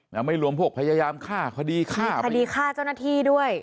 ไม่รวมพวกพยายามฆ่าคดีฆ่าคดีฆ่าเจ้าหน้าที่ด้วย